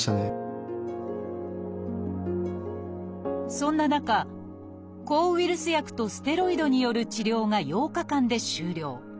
そんな中抗ウイルス薬とステロイドによる治療が８日間で終了。